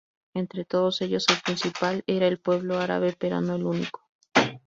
Entre todos ellos, el principal era el pueblo árabe, pero no el único.